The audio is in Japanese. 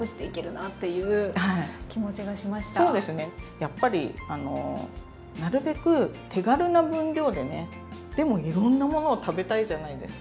やっぱりなるべく手軽な分量でねでもいろんなものを食べたいじゃないですか。